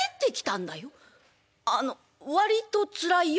あの割とつらいよ